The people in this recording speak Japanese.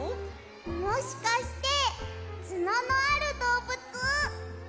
もしかしてつののあるどうぶつ？